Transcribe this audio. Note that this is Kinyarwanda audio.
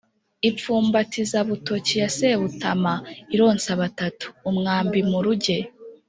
Impfumbatizabutoki ya Sebutama ironsa batatu-Umwambi mu ruge.